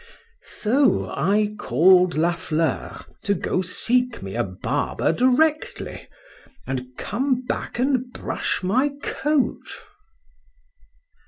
So I called La Fleur to go seek me a barber directly,—and come back and brush my coat.